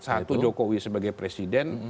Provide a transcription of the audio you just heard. satu jokowi sebagai presiden